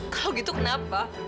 kalau gitu kenapa